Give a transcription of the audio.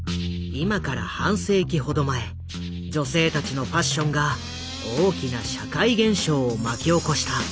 今から半世紀ほど前女性たちのファッションが大きな社会現象を巻き起こした。